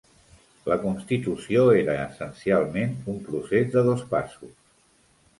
La constitució era essencialment un procés de dos passos.